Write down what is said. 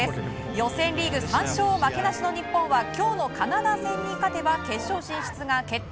予選リーグ３勝負けなしの日本は今日のカナダ戦に勝てば決勝進出が決定。